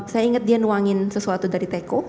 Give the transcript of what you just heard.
saya ingat dia nuangin sesuatu dari teko